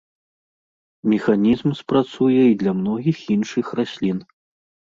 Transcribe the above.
Механізм спрацуе і для многіх іншых раслін.